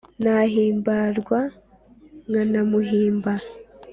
Nahimbarwa nkanamuhimba